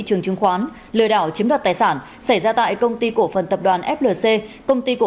trường chứng khoán lừa đảo chiếm đoạt tài sản xảy ra tại công ty cổ phần tập đoàn flc công ty cổ